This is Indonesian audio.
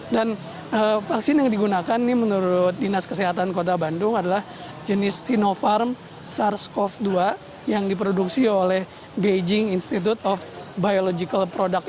dan vaksin yang digunakan ini menurut dinas kesehatan kota bandung adalah jenis sinopharm sars cov dua yang diproduksi oleh beijing institute of biological products